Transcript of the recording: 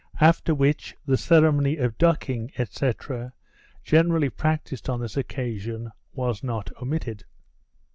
after which, the ceremony of ducking, &c., generally practised on this occasion, was not omitted.